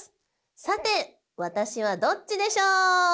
さて私はどっちでしょう？